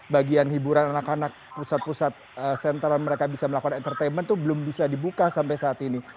bagian hiburan anak anak pusat pusat sentral mereka bisa melakukan entertainment itu belum bisa dibuka sampai saat ini